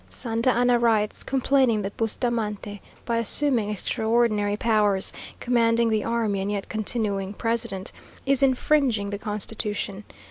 Santa Anna writes, complaining that Bustamante, by assuming extraordinary powers, commanding the army and yet continuing president, is infringing the constitution.